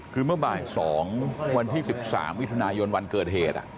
คือเมื่อบ่าย๒วันที่๑๓มิถุนายนวันเกิดเหตุ